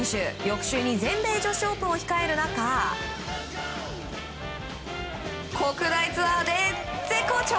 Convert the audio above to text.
翌週に全米女子オープンを控える中国内ツアーで絶好調！